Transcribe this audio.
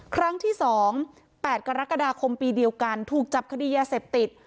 ครั้งที่๒๘กรกฎาคมปีเดียวกันถูกจับคดียาเสพติด